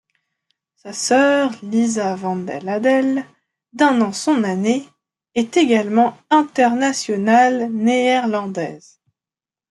Sa sœur Lisa Van Den Adel, d'un an son année, est également internationale néerlandaise.